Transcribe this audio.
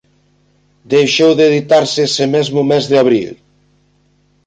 Deixou de editarse ese mesmo mes de abril.